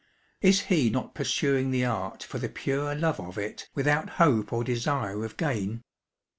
Is he not pursuing the art for the pure love of it, without hope or desire of gain